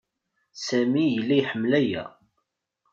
Sami yella iḥemmel-aya.